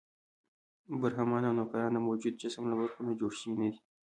برهمنان او نوکران د موجود جسم له برخو نه جوړ شوي نه دي.